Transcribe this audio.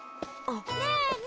ねえねえ